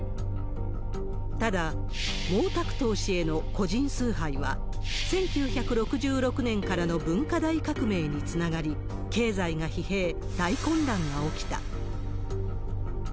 ただ、毛沢東氏への個人崇拝は、１９６６年からの文化大革命につながり、経済が疲弊、大混乱が起きた。